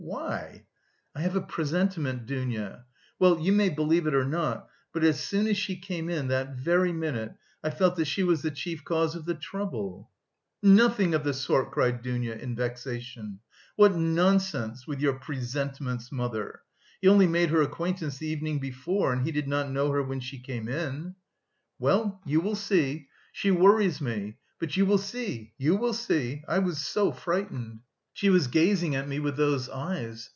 "Why?" "I have a presentiment, Dounia. Well, you may believe it or not, but as soon as she came in, that very minute, I felt that she was the chief cause of the trouble...." "Nothing of the sort!" cried Dounia, in vexation. "What nonsense, with your presentiments, mother! He only made her acquaintance the evening before, and he did not know her when she came in." "Well, you will see.... She worries me; but you will see, you will see! I was so frightened. She was gazing at me with those eyes.